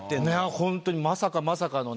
本当にまさかまさかのね